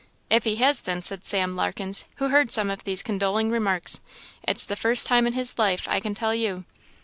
"If he has, then," said Sam Larkens, who heard some of these condoling remarks, "it's the first time in his life, I can tell you.